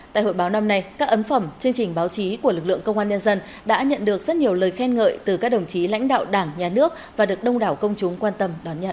tại hội báo năm nay các ấn phẩm chương trình báo chí của lực lượng công an nhân dân đã nhận được rất nhiều lời khen ngợi từ các đồng chí lãnh đạo đảng nhà nước và được đông đảo công chúng quan tâm đón nhận